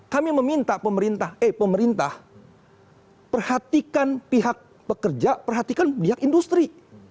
kami meminta pemerintah eh pemerintah perhatikan pihak pekerja perhatikan pihak industri